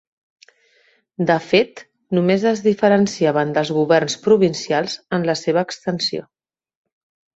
De fet, només es diferenciaven dels governs provincials en la seva extensió.